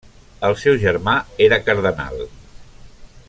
El seu germà era cardenal.